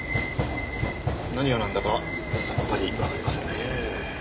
何がなんだかさっぱりわかりませんねえ。